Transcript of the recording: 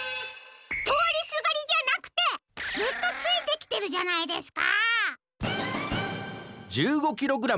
とおりすがりじゃなくてずっとついてきてるじゃないですか。